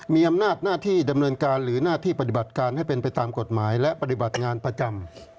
มีอำนาจหน้าที่ดำเนินการหรือหน้าที่ปฏิบัติการให้เป็นไปตามกฎหมายและปฏิบัติงานประจำ